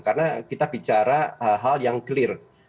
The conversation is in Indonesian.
karena kita bicara hal hal yang clear